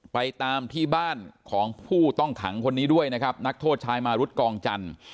ไปตามที่บ้านของผู้ต้องขังคนนี้ด้วยนะครับนักโทษชายมารุธกองจันทร์